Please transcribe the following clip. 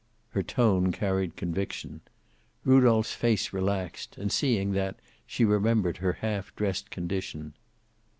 Her tone carried conviction. Rudolph's face relaxed, and seeing that, she remembered her half dressed condition.